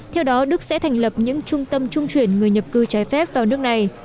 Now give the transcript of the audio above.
theo đó đức sẽ thành lập những trung tâm trung chuyển người nhập cư trái phép vào nước này